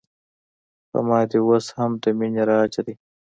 په ما دې اوس هم د مینې راج دی